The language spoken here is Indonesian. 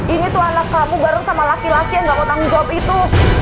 ini tuh anak kamu bareng sama laki laki yang gak potong job itu